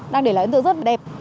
đang để lại ấn tượng rất đẹp